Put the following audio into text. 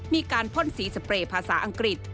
มีการพ่นสีสเปรย์ภาษาอังกฤษ